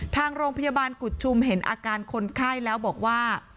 ทางโรงพยาบาลกุฎชุมเห็นอาการคนไข้แล้วบอกว่า